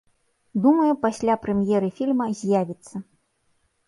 Думаю, пасля прэм'еры фільма з'явіцца.